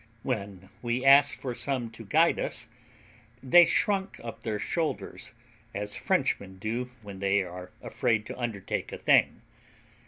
When we asked for some to guide us, they shrunk up their shoulders as Frenchmen do when they are afraid to undertake a thing.